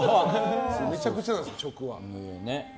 めちゃくちゃなんですよ食は。